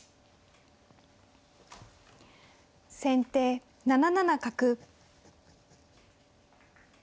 先手７七角。